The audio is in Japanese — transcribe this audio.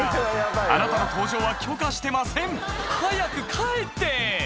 あなたの搭乗は許可してません早く帰って！